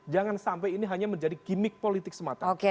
jangan sampai ini hanya menjadi gimmick politik semata